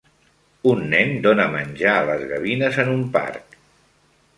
Un nen dona menjar a les gavines en un parc.